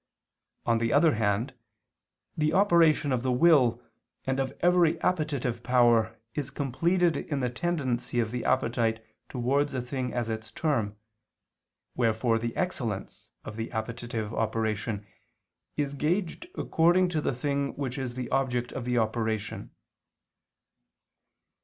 On the other hand, the operation of the will and of every appetitive power is completed in the tendency of the appetite towards a thing as its term, wherefore the excellence of the appetitive operation is gauged according to the thing which is the object of the operation.